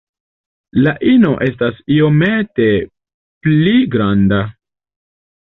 La ino estas iomete pli granda.